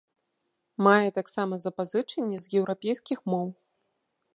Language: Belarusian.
Мае таксама запазычанні з еўрапейскіх моў.